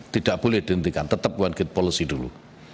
tidak boleh dihentikan tetap one gate policy dulu